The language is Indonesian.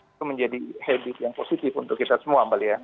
itu menjadi habit yang positif untuk kita semua mbak lia